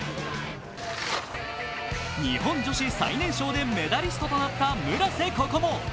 日本女子最年少でメダリストとなった村瀬心椛。